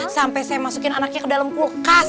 sampai saya masukin anaknya ke dalam kulkas